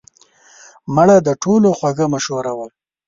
مړه د ټولو خوږه مشوره وه